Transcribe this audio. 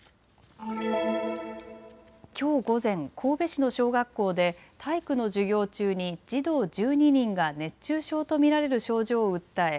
きょう午前、神戸市の小学校で体育の授業中に児童１２人が熱中症と見られる症状を訴え